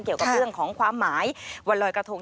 เกี่ยวกับเรื่องของความหมายวันลอยกระทง